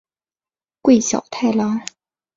桂小太郎。